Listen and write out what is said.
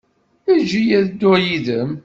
Eǧǧ-iyi ad dduɣ yid-m.